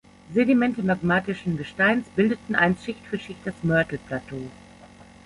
Sedimente magmatischen Gesteins bildeten einst Schicht für Schicht das Murtle-Plateau.